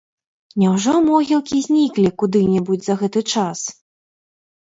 Няўжо могілкі зніклі куды-небудзь за гэты час?